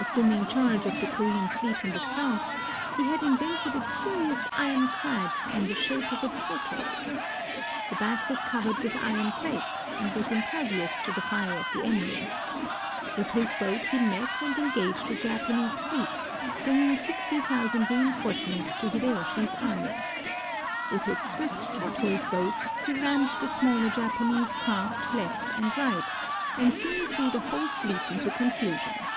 Assuming charge of the Korean fleet in the south, he had invented a curious ironclad in the shape of a tortoise. The back was covered with iron plates, and was impervious to the fire of the enemy. With his boat he met and engaged a Japanese fleet, bringing sixty thousand reinforcements to Hideyoshi's army. With his swift tortoise boat he rammed the smaller Japanese craft right and left, and soon threw the whole fleet into confusion.